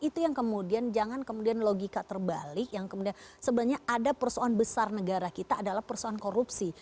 itu yang kemudian jangan kemudian logika terbalik yang kemudian sebenarnya ada persoalan besar negara kita adalah persoalan korupsi